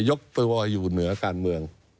ยกตัวอยู่เหนือการเมือง